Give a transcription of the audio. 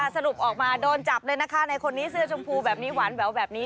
สรุปออกมาโดนจับเลยนะคะในคนนี้เสื้อชมพูแบบนี้หวานแววแบบนี้